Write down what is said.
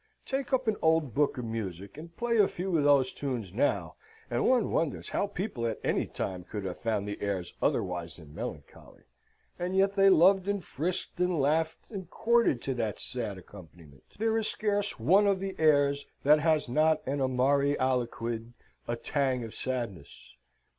Take up an old book of music, and play a few of those tunes now, and one wonders how people at any time could have found the airs otherwise than melancholy. And yet they loved and frisked and laughed and courted to that sad accompaniment. There is scarce one of the airs that has not an amari aliquid, a tang of sadness.